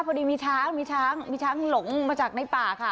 พอดีมีช้างหลงมาจากในป่าค่ะ